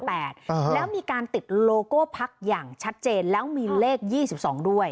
แล้วมีการติดโลโก้พักอย่างชัดเจนแล้วมีเลข๒๒ด้วย